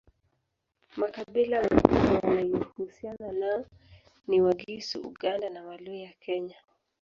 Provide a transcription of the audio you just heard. Makabila mengine yanayohusiana nao ni Wagisu Uganda na Waluya Kenya